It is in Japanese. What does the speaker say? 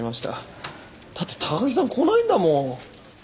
だって高木さん来ないんだもん。